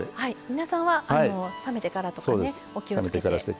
皆さんは冷めてからとかねお気をつけて。